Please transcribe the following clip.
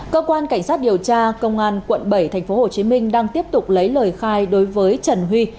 cơ quan cảnh sát điều tra công an quận bảy tp hcm đang tiếp tục lấy lời khai đối với trần huy